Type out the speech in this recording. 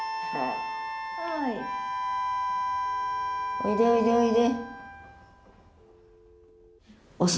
おいでおいでおいで。